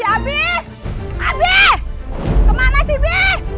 abi abi kemana sih bi